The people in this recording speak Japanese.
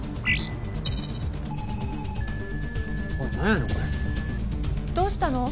何やねんこれどうしたの？